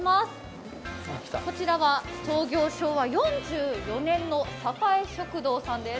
こちらは創業、昭和４４年の栄食堂さんです。